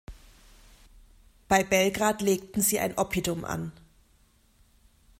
Bei Belgrad legten sie ein Oppidum an.